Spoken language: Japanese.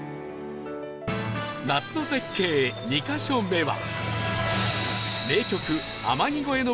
夏の絶景２カ所目は